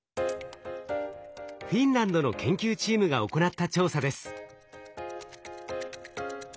フィンランドの研究チームが行った調査です。